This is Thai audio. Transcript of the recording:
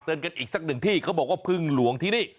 กันอีกสักหนึ่งที่เขาบอกว่าพึ่งหลวงที่นี่